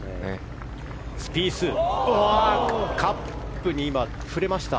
スピースはカップに触れました。